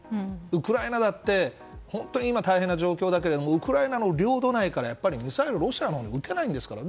ウクライナだって本当に今、大変な状況だけどウクライナの領土内からミサイルをロシアのほうに撃てないんですから。